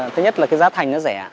thứ nhất là cái giá thành nó rẻ